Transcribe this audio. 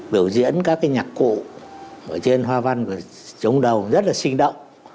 biểu diễn các cái nhạc cụ ở trên hoa văn của trống đồng rất là sinh động